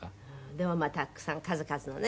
でもたくさん数々のね